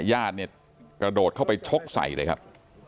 ญาติเนี่ยกระโดดเข้าไปชกใส่เลยครับ